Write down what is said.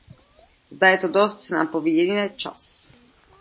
Zda je to dost, nám poví jen čas.